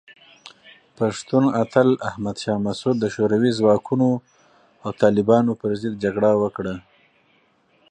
پښتون اتل احمد شاه مسعود د شوروي ځواکونو او طالبانو پر ضد جګړه وکړه.